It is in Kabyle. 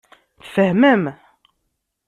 Tfehmem.